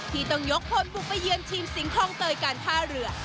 ที่ต้องยกคนบุกไปเยือนทีมสิงคลองเตยการท่าเรือ